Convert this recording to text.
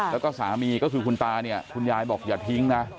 แล้วก็สามีก็คือคุณตาเนี่ยคุณยายบอกอย่าทิ้งนะ